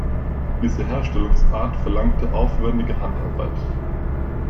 Diese Herstellungsart verlangte aufwändige Handarbeit.